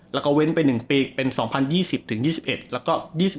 แล้วก็เว้นไป๑ปีเป็น๒๐๒๐๒๐๒๑แล้วก็๒๐๒๑๒๐๒๒